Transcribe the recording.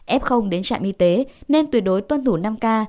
ép không đến trạm y tế nên tuyệt đối tuân thủ năm k